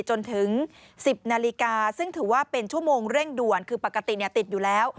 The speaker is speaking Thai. จนถึง๑๐นาฬิกาซึ่งถือว่าเป็นชั่วโมงเร่งด่วนคือปกติติดอยู่แล้ว